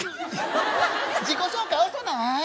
自己紹介遅ない？